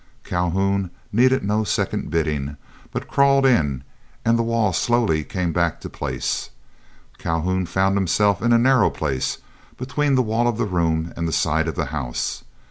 Calhoun needed no second bidding, but crawled in, and the wall slowly came back to place. Calhoun found himself in a narrow place, between the wall of the room and the side of the house.